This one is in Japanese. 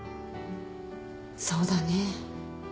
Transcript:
そうだね。